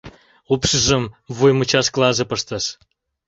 Упшыжым вуй мучашкылаже пыштыш.